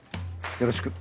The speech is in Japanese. よろしく。